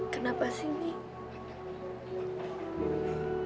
kenapa sih nek